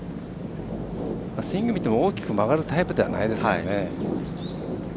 スイング見ても大きく曲がるタイプではないですからね。